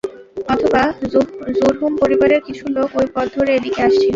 অথবা জুরহুম পরিবারের কিছু লোক ঐ পথ ধরে এদিকে আসছিল।